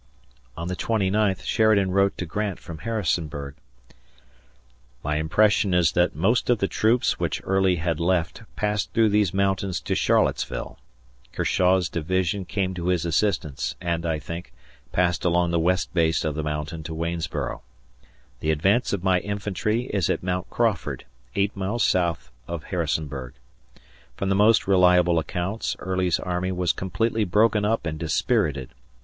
On the twenty ninth Sheridan wrote to Grant from Harrisonburg: My impression is that most of the troops which Early had left passed through these mountains to Charlottesville. Kershaw's division came to his assistance and, I think, passed along the west base of the mountain to Waynesboro. The advance of my infantry is at Mount Crawford, eight miles south of Harrisonburg. From the most reliable accounts Early's army was completely broken up and dispirited.